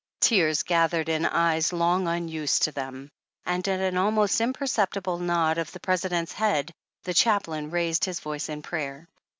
Tears gathered in eyes long unused to them, and at an almost imperceptible nod of the President's head, the Chaplain raised his voice in prayer.